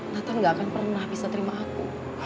natal gak akan pernah bisa terima aku